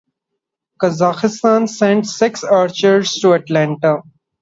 Kazakhstan sent six archers to Atlanta.